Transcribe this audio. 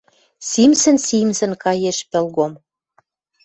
Симсӹн-симсӹн каеш пӹлгом